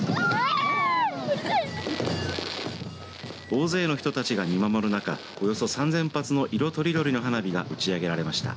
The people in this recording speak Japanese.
大勢の人たちが見守る中およそ３０００発の色とりどりの花火が打ち上げられました。